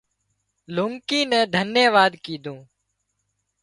لونڪي نين ڌنيواد ڪيڌون